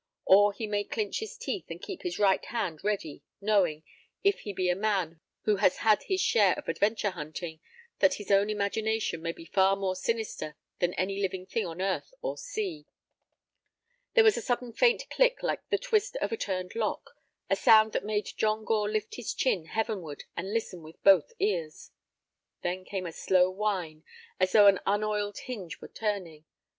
Or he may clinch his teeth and keep his right hand ready, knowing, if he be a man who has had his share of adventure hunting, that his own imagination may be far more sinister than any living thing on earth or sea. There was a sudden faint click like the twist of a turned lock, a sound that made John Gore lift his chin heavenward and listen with both his ears. Then came a slow whine, as though an unoiled hinge were turning.